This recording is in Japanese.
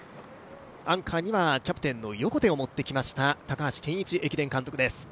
アンカーにはキャプテンの横手を持ってきました高橋健一駅伝監督です。